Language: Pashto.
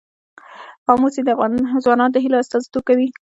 آمو سیند د افغان ځوانانو د هیلو استازیتوب کوي.